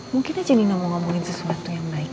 mungkin aja nino mau ngomongin sesuatu yang baik